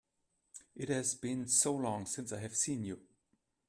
It has been so long since I have seen you!